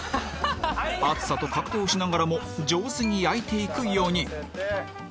熱さと格闘しながらも上手に焼いていく４人